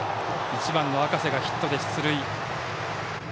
１番の赤瀬がヒットで出塁。